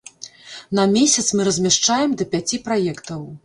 На месяц мы размяшчаем да пяці праектаў.